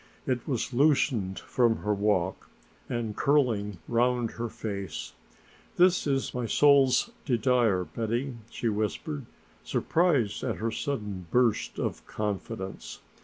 It was loosened from her walk and curling round her face. "That is my soul's desire, Betty," she whispered, surprised at her sudden burst of confidence.